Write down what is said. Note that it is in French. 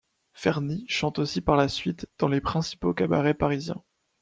Ferny chante aussi par la suite dans les principaux cabarets parisiens.